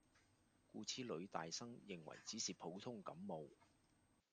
故此女大生認為只是普通感冒